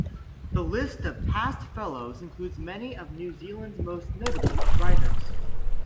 The list of past fellows includes many of New Zealand's most notable writers.